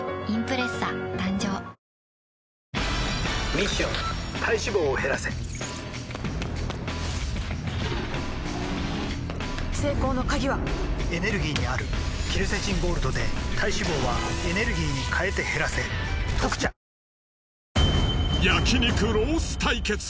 ミッション体脂肪を減らせ成功の鍵はエネルギーにあるケルセチンゴールドで体脂肪はエネルギーに変えて減らせ「特茶」焼肉ロース対決！